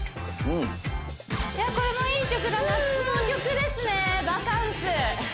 うんこれもいい曲だ夏の曲ですね「バカンス」